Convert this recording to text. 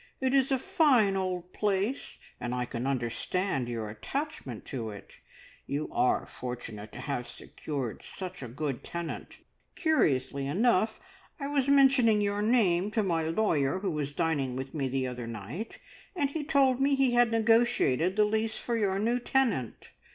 It is a fine old place, and I can understand your attachment to it. You are fortunate to have secured such a good tenant. Curiously enough, I was mentioning your name to my lawyer, who was dining with me the other night, and he told me he had negotiated the lease for your new tenant.